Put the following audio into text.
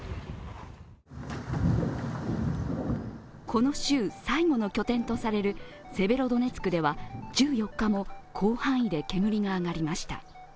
この州最後の拠点とされるセベロドネツクでは１４日も、広範囲で煙が上がりました。